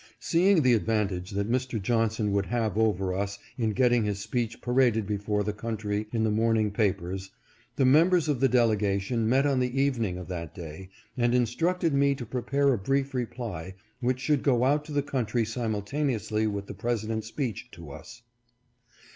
Seeing the advantage that Mr. Johnson would have over us in getting his speech paraded before the country in the morning papers, the members of the delegation met on the evening of that day, and instructed me to prepare a brief reply, which should go out to the country simultaneously with the Presi dent's speech to us.